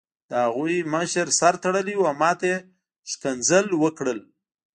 د هغوی مشر سر تړلی و او ماته یې کنځلې وکړې